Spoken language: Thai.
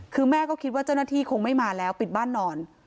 คือแม่ก็คิดว่าเจ้าหน้าที่คงไม่มาแล้วปิดบ้านนอน